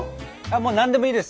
何でもいいです！